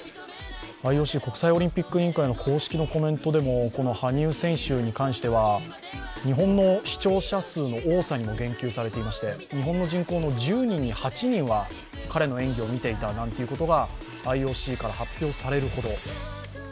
ＩＯＣ＝国際オリンピック委員会の公式のコメントでも羽生選手に関しては日本の視聴者数の多さにも言及されていまして、日本の人口の１０人に８人は彼の演技を見ていたなんていうことがＩＯＣから発表されるほど。